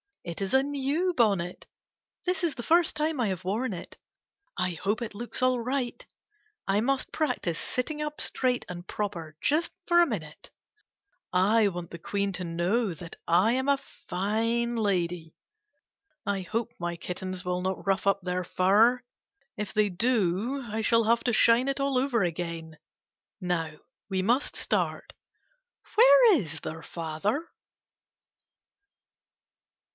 It is a new bonnet. This is the first time I have worn it. I hope it looks all right. I must practice sitting up straight and proper just for a minute. I want the Queen to know that I am a fine lady. I hope my kittens will not rough up their fur. If they do I shall have to shine it all over again. Now we must start. Where is their father